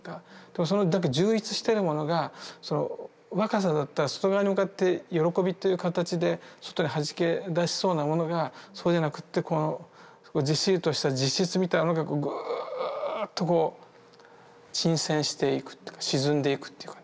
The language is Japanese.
その充溢してるものが若さだったら外側に向かって喜びっていう形で外にはじけ出しそうなものがそうじゃなくってずっしりとした実質みたいのがぐっとこう沈潜していくっていうか沈んでいくっていうかね